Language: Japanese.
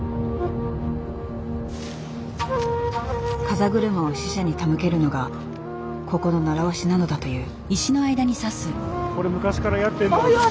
風車を死者に手向けるのがここの習わしなのだという。